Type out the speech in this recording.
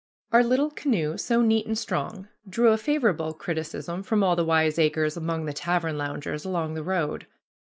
Our little canoe, so neat and strong, drew a favorable criticism from all the wiseacres among the tavern loungers along the road.